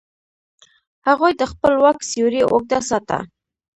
هغوی د خپل واک سیوری اوږده ساته.